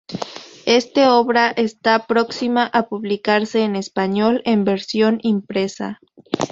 Este obra está próxima a publicarse en español, en versión impresa.